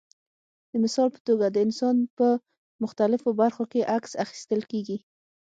د مثال په توګه د انسان په مختلفو برخو کې عکس اخیستل کېږي.